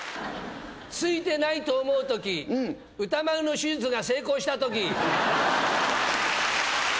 ついてないと思うとき、歌丸の手術が成功した時。